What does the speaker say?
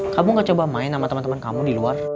kamu gak coba main sama teman teman kamu di luar